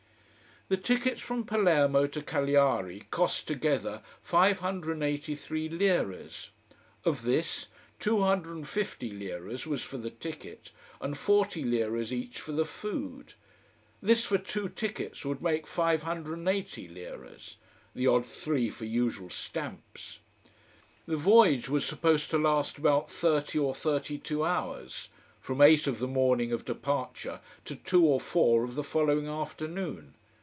The tickets from Palermo to Cagliari cost, together, 583 liras. Of this, 250 liras was for the ticket, and 40 liras each for the food. This, for two tickets, would make 580 liras. The odd three for usual stamps. The voyage was supposed to last about thirty or thirty two hours: from eight of the morning of departure to two or four of the following afternoon.